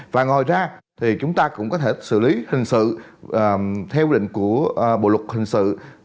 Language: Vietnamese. và ngoài ra chúng ta cũng có thể xử lý hình sự theo quy định của bộ luật hình sự hai nghìn một mươi năm